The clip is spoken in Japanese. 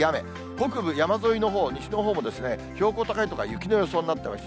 北部山沿いのほう、西のほうも、標高高い所は雪の予想になってます。